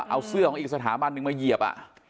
เอาเสื้อของอีกสถาบันหนึ่งมาเหยียบ